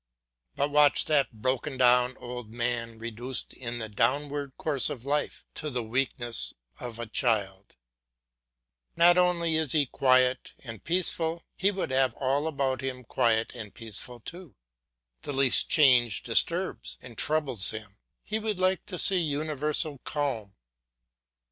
But watch that broken down old man reduced in the downward course of life to the weakness of a child; not only is he quiet and peaceful, he would have all about him quiet and peaceful too; the least change disturbs and troubles him, he would like to see universal calm.